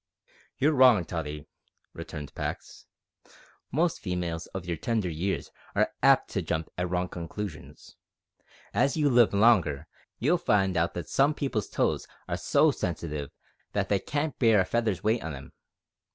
"You're wrong, Tottie," returned Pax; "most females of your tender years are apt to jump at wrong conclusions. As you live longer you'll find out that some people's toes are so sensitive that they can't bear a feather's weight on 'em.